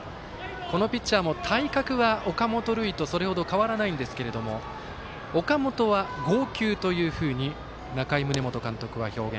このピッチャーも体格は岡本琉奨とそれほど変わらないんですけれど岡本は、剛球というふうに仲井宗基監督は表現。